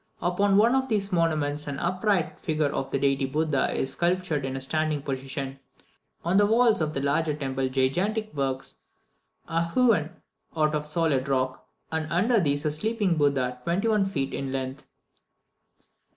Upon one of these monuments an upright figure of the deity Buddha is sculptured in a standing position. On the walls of the larger temple gigantic figures are hewn out of the solid rock, and under these a sleeping Buddha, twenty one feet in length.